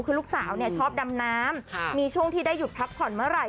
คือลูกสาวชอบดำน้ำมีช่วงที่ได้หยุดพักผ่อนเมื่อไหร่